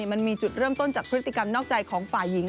มันมีจุดเริ่มต้นจากพฤติกรรมนอกใจของฝ่ายหญิง